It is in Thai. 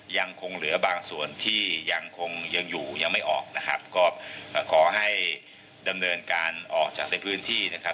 ยังคงเหลือบางส่วนที่ยังคงยังอยู่ยังไม่ออกนะครับก็ขอให้ดำเนินการออกจากในพื้นที่นะครับ